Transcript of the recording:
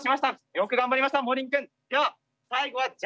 よく頑張りましたモーリン君。